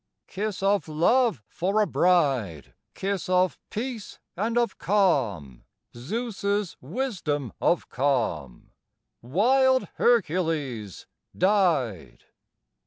Kiss of love for a bride, Kiss of peace and of calm, Zeus's wisdom of calm, Wild Hercules died!